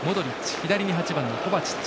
左に８番のコバチッチ